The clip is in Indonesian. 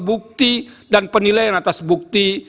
bukti dan penilaian atas bukti